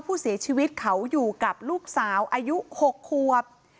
ผู้เสียชีวิตเขาอยู่กับลูกสาวอายุ๖ควบ